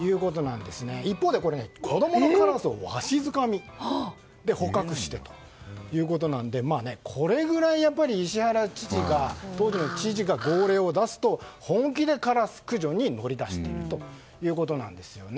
一方で、子供のカラスをわしづかみで捕獲してということなのでこれぐらい当時の石原知事が号令を出すと本気でカラス駆除に乗り出したということです。